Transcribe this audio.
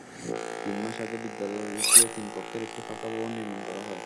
তিন মাস আগে বিদ্যালয়টিতে তিন কক্ষের একটি পাকা ভবন নির্মাণ করা হয়।